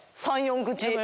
３４口。